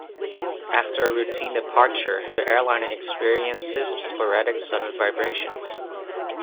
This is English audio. After a routine departure, the airliner experiences sporadic sudden vibrations.